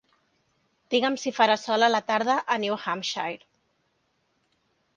Diguem si hi farà sol a la tarda a New Hampshire